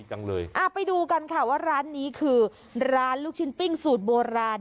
จังเลยอ่าไปดูกันค่ะว่าร้านนี้คือร้านลูกชิ้นปิ้งสูตรโบราณ